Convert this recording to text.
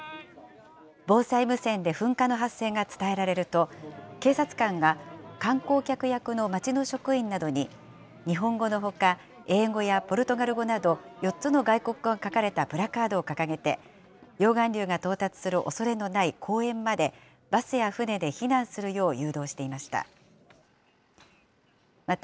防災無線で噴火の発生が伝えられると、警察官が観光客役の町の職員などに、日本語のほか、英語やポルトガル語など、４つの外国語が書かれたプラカードを掲げて、溶岩流が到達するおそれのない公園まで、バスや船で避難するよう誘導していました。